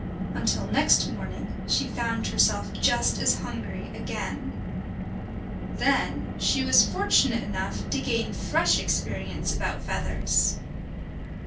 Until next morning she found herself just as hungry again. Then she was fortunate enough to gain fresh experience about feathers.